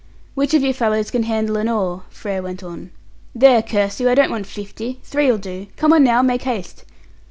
"Which of you fellows can handle an oar?" Frere went on. "There, curse you, I don't want fifty! Three'll do. Come on now, make haste!"